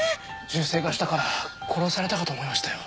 銃声がしたから殺されたかと思いましたよ。